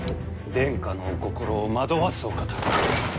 殿下のお心を惑わすお方。